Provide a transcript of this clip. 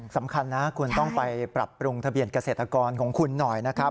สำคัญนะคุณต้องไปปรับปรุงทะเบียนเกษตรกรของคุณหน่อยนะครับ